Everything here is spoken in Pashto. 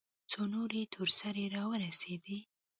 څو نورې تور سرې راورسېدې.